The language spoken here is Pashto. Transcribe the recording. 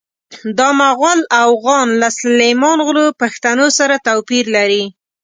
دا مغول اوغان له سلیمان غرو پښتنو سره توپیر لري.